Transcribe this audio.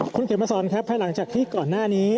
คุณเขียนมาสอนครับภายหลังจากที่ก่อนหน้านี้